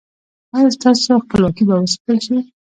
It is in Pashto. ایا ستاسو خپلواکي به وساتل شي؟